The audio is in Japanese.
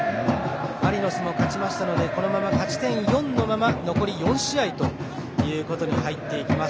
マリノスも勝ちましたのでこのまま勝ち点４のまま残り４試合ということに入っていきます。